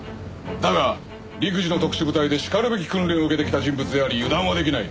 だが陸自の特殊部隊でしかるべき訓練を受けてきた人物であり油断はできない。